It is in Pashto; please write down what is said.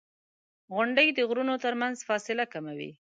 • غونډۍ د غرونو ترمنځ فاصله کموي.